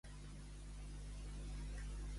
Amolla, que és castellà.